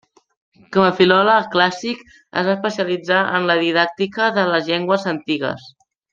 Com a filòleg clàssic es va especialitzar en la didàctica de les llengües antigues.